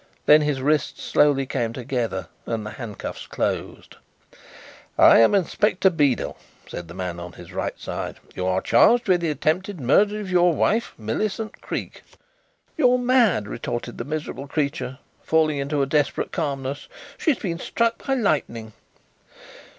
Then his wrists slowly came together and the handcuffs closed. "I am Inspector Beedel," said the man on his right side. "You are charged with the attempted murder of your wife, Millicent Creake." "You are mad," retorted the miserable creature, falling into a desperate calmness. "She has been struck by lightning."